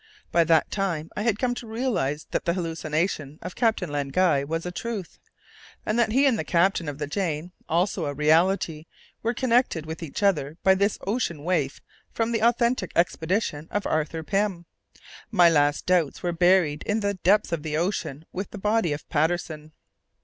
By that time I had come to realize that the "hallucination" of Captain Len Guy was a truth, and that he and the captain of the Jane (also a reality) were connected with each other by this ocean waif from the authentic expedition of Arthur Pym. My last doubts were buried in the depths of the ocean with the body of Patterson.